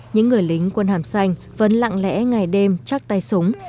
những người lính quân hàm xanh vẫn lặng lẽ ngày đêm chắc tay súng